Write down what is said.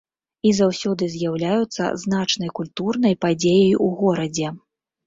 І заўсёды з'яўляюцца значнай культурнай падзеяй у горадзе.